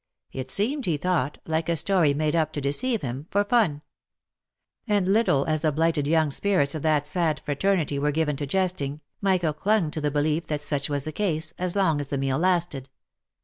It seemed, he thought, like a story made up to deceive him, for fun ; and little as the blighted young spirits of that sad fraternity were given to jesting, Michael clung to the belief that such was the case, as long as the meal lasted.